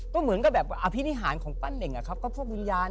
ก็เหมือนกับอภินิหารของปั้นเด็กครับ